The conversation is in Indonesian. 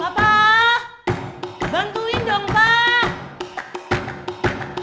papa bantuin dong pak